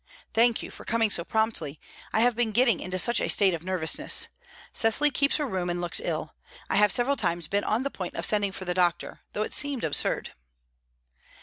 "Thank you for coming so promptly. I have been getting into such a state of nervousness. Cecily keeps her room, and looks ill; I have several times been on the point of sending for the doctor, though it seemed absurd."